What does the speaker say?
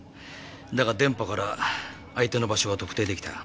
だが電波から相手の場所が特定できた。